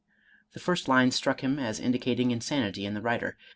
The first lines struck him as indicating insanity in the writer.